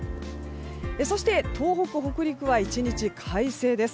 そして、東北や北陸は１日快晴です。